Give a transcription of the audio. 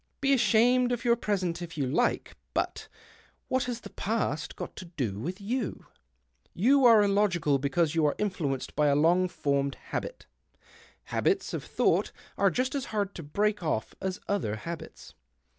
Be ashamed of your present, if you like, but what has the past got to do with you ? You are illogical because you are influenced by a lono formed habit. Haljits of thouo ht are just as hard to break off as other habits."